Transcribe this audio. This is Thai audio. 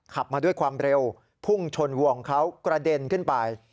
ขับมาด้วยความเร็วพุ่งชนวงเขากระเด็นขึ้นไป